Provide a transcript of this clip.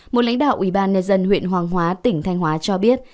một lãnh đạo ủy ban nhân dân huyện hoàng hóa tỉnh thanh hóa cho biết